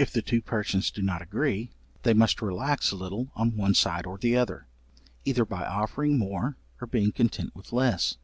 If the two persons do not agree, they must relax a little on one side or the other, either by offering more or being content with less.